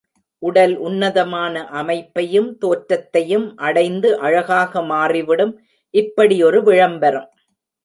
உடல் உன்னதமான அமைப்பையும் தோற்றத்தையும் அடைந்து, அழகாக மாறிவிடும். இப்படி ஒரு விளம்பரம்.